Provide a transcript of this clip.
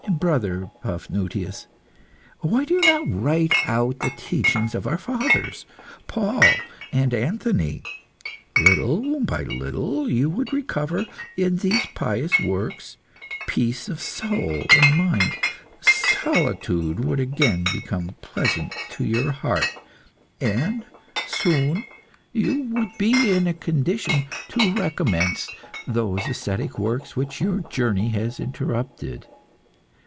Brother Paphnutius, why do you not write out the teachings of our fathers, Paul and Anthony? Little by little you would recover, in these pious works, peace of soul and mind; solitude would again become pleasant to your heart, and soon you would be in a condition to recommence those ascetic works which your journey has interrupted.